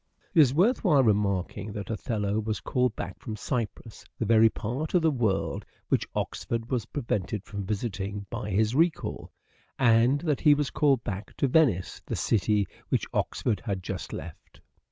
It is worth while remarking that Othello was called back from Cyprus : the very part of the world which Oxford was prevented from visiting by his recall ; and that he was called back to Venice, the city which Oxford had just left.